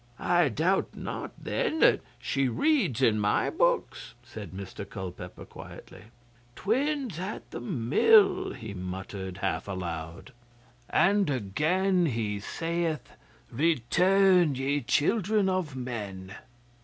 'I doubt not, then, that she reads in my books,' said Mr Culpeper quietly. 'Twins at the Mill!' he muttered half aloud. "And again He sayeth, Return, ye children of men."